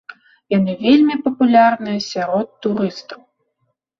Яны вельмі папулярныя сярод турыстаў.